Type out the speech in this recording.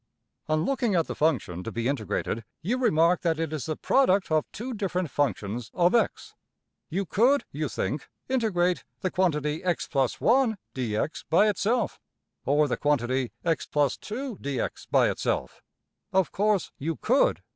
On looking at the function to be integrated, you remark that it is the product of two different functions of~$x$. You could, you think, integrate $(x + 1)\, dx$ by itself, or $(x + 2)\, dx$ by itself. Of course you could.